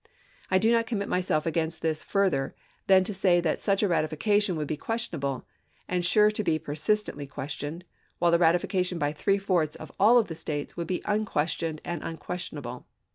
I do not commit myself against this further than to say that such a ratification would be questionable, and sure to be persistently ques RECONSTRUCTION 463 tioned, while a ratification by three fourths of all the chap. xix. States would be unquestioned and unquestionable.